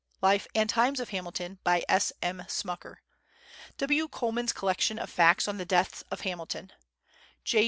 Life and Times of Hamilton, by S. M. Smucker; W. Coleman's Collection of Facts on the Death of Hamilton; J.